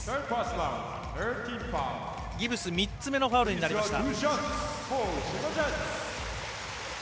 ギブス、３つ目のファウルになりました。